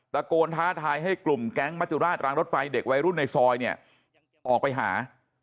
ตะโกนท้าทายให้กลุ่มแก๊งมจุราชรางรถไฟเด็กวัยรุ่นในซอยเนี่ยออกไปหา